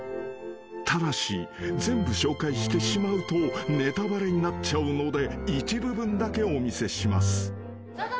［ただし全部紹介してしまうとネタバレになっちゃうので一部分だけお見せします］